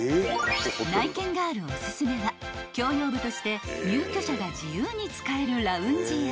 ［内見ガールおすすめは共用部として入居者が自由に使えるラウンジや］